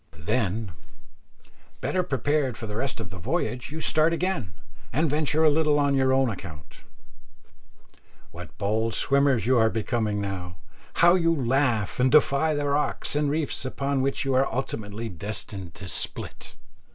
Then, better prepared for the rest of the voyage, you start again, and venture a little on your own account. What bold swimmers you are becoming now! How you laugh and defy the rocks and reefs upon which you are ultimately destined to split!